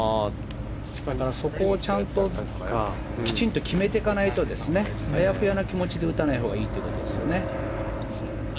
そこをちゃんときちんと決めていかないとあやふやな気持ちで打たないほうがいいってことですよね。